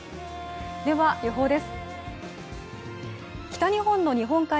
では予報です。